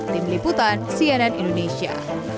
tim liputan cnn indonesia